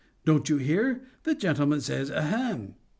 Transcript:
—don't you hear?—the gentleman says 'ahem!